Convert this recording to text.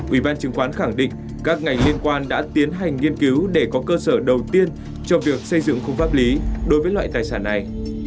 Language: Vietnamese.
ủy ban chứng khoán khẳng định các ngành liên quan đã tiến hành nghiên cứu để có cơ sở đầu tiên cho việc xây dựng khung pháp lý đối với loại tài sản này